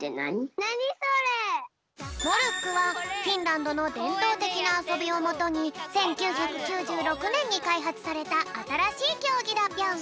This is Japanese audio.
モルックはフィンランドのでんとうてきなあそびをもとに１９９６ねんにかいはつされたあたらしいきょうぎだぴょん。